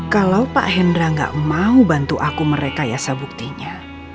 kalau pak hendra gak mau bantu aku merekayasa buktinya